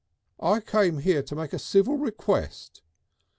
"I came here to make a civil request."